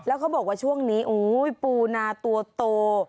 แล้วเขาบอกว่าช่วงนี้ปูนาตัวโต